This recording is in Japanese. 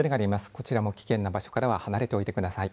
こちらも危険な場所からは離れておいてください。